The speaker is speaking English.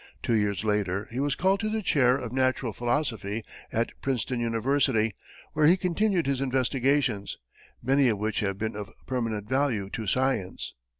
Two years later he was called to the chair of natural philosophy at Princeton University, where he continued his investigations, many of which have been of permanent value to science.